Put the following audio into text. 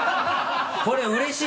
これうれしい！